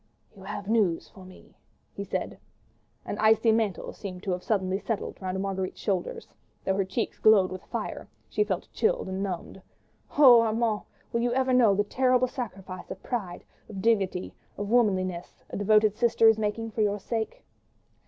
"You have news for me?" he said. An icy mantle seemed to have suddenly settled round Marguerite's shoulders; though her cheeks glowed with fire, she felt chilled and numbed. Oh, Armand! will you ever know the terrible sacrifice of pride, of dignity, of womanliness a devoted sister is making for your sake?